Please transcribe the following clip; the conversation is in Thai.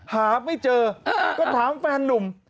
หาไม่เจอก็ถามแฟนนุ่ม